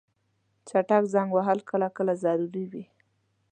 چټک زنګ وهل کله کله ضروري وي.